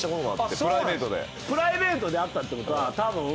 プライベートで会ったってことはたぶん。